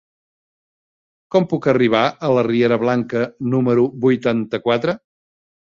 Com puc arribar a la riera Blanca número vuitanta-quatre?